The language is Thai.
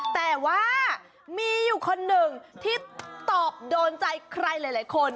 แต่ว่ามีอยู่คนหนึ่งที่ตอบโดนใจใครหลายคน